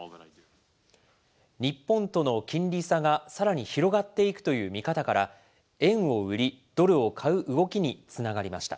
日本との金利差がさらに広がっていくという見方から、円を売り、ドルを買う動きにつながりました。